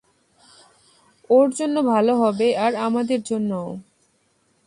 ওর জন্য ভালো হবে আর আমাদের জন্যও।